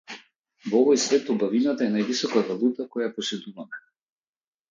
Во овој свет убавината е највисоката валута која ја поседуваме.